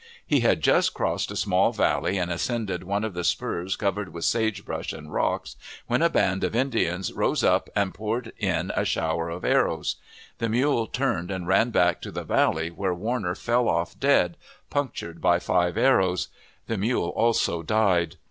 He had just crossed a small valley and ascended one of the spurs covered with sage brush and rocks, when a band of Indians rose up and poured in a shower of arrows. The mule turned and ran back to the valley, where Warner fell off dead, punctured by five arrows. The mule also died.